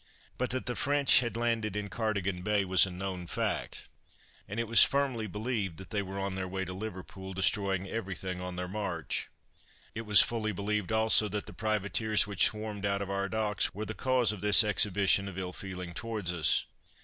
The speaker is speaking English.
But that the French had landed in Cardigan Bay was a known fact; and it was firmly believed that they were on their way to Liverpool, destroying every thing on their march. It was fully believed also that the privateers which swarmed out of our docks were the cause of this exhibition of ill feeling towards us.